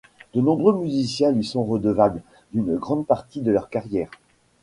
De nombreux musiciens lui sont redevables d'une grande partie de leur carrière.